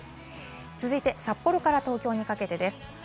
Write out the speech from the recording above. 続いて札幌から東京にかけてです。